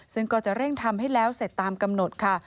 ซึ่งก็จะเร่งทำให้แล้วเสร็จตามกำหนดค่ะ